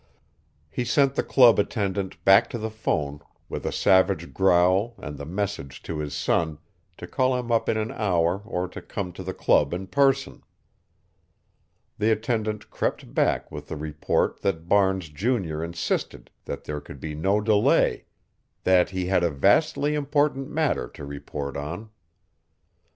He sent the club attendant back to the phone with a savage growl and the message to his son to call him up in an hour or to come to the club in person. The attendant crept back with the report that Barnes junior insisted that there could be no delay that he had a vastly important matter to report on.